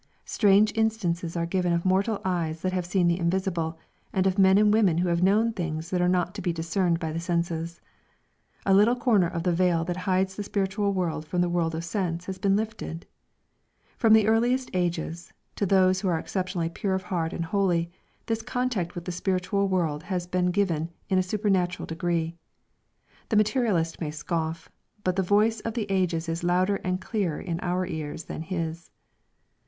Strange instances are given of mortal eyes that have seen the invisible, and of men and women who have known things that are not to be discerned by the senses. A little corner of the veil that hides the spiritual world from the world of sense has been lifted. From the earliest ages, to those who are exceptionally pure of heart and holy, this contact with the spiritual world has been given in a supernatural degree. The materialist may scoff, but the voice of the Ages is louder and clearer in our ears than his.